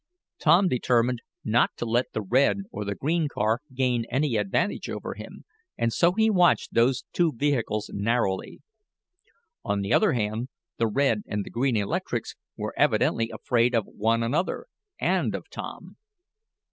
Tom determined not to let the red or the green car gain any advantage over him, and so he watched those two vehicles narrowly. On the other hand, the red and the green electrics were evidently afraid of one another and of Tom.